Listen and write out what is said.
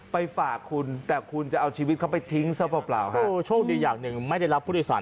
พ่อแม่จริงหรอ